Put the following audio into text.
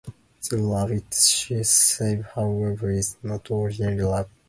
The rabbit she saves, however, is no ordinary rabbit.